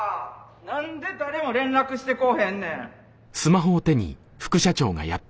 何で誰も連絡してこぉへんねん。